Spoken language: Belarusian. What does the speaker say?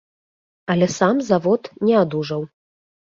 Але сам завод не адужаў.